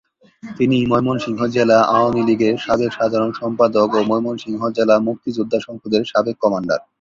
তিনি ময়মনসিংহ জেলা আওয়ামী লীগের সাবেক সাধারণ সম্পাদক ও ময়মনসিংহ জেলা মুক্তিযোদ্ধা সংসদের সাবেক কমান্ডার।